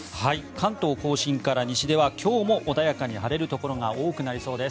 関東・甲信から西では今日も穏やかに晴れるところが多くなりそうです。